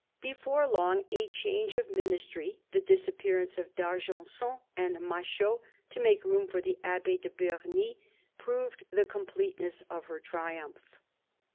Before long a change of ministry, the disappear ance of D'Argenson and Machault to make room for the Abbe* de Bernis, proved the completeness of her triumph.